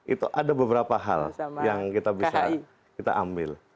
itu ada beberapa hal yang kita bisa kita ambil